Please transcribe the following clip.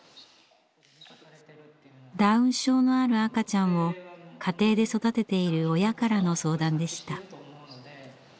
ダウン症のある赤ちゃんを家庭で育てている親からの相談でした。